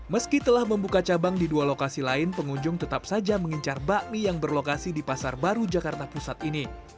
meski telah membuka cabang di dua lokasi lain pengunjung tetap saja mengincar bakmi yang berlokasi di pasar baru jakarta pusat ini